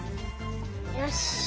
よし。